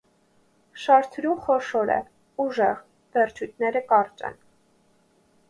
Շարթրուն խոշոր է, ուժեղ, վերջույթները կարճ են։